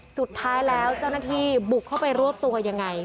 สุดท้ายแล้วเจ้าหน้าที่บุกเข้าไปรวบตัวยังไง